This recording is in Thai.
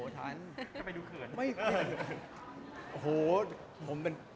ทำไมดูเขือน